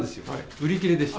売り切れでした。